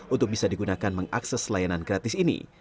untuk bisa digunakan mengakses layanan gratis ini